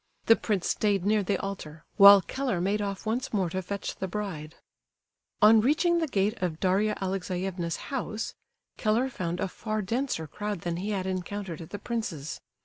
The prince stayed near the altar, while Keller made off once more to fetch the bride. On reaching the gate of Daria Alexeyevna's house, Keller found a far denser crowd than he had encountered at the prince's.